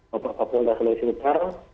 bapak pak polri selalu sementara